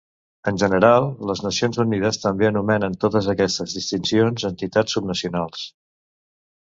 En general, les Nacions Unides també anomena totes aquestes distincions entitats subnacionals.